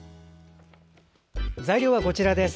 材料はこちらです。